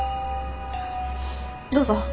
どうぞ。